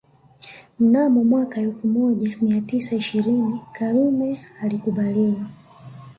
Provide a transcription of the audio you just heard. Mnamo mwaka elfu Mona mia tisa ishirini Karume alikubaliwa